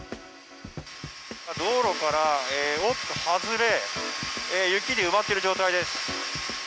道路から大きく外れ、雪に埋まっている状態です。